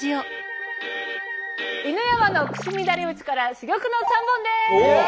犬山の串乱れ撃ちから珠玉の３本です！